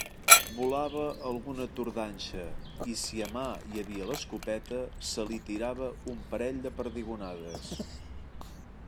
Volava alguna tordanxa, i si a mà hi havia l'escopeta, se li tirava un parell de perdigonades.